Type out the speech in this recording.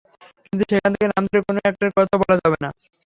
কিন্তু সেখান থেকে নাম ধরে কোনো একটার কথা বলা যাবে না।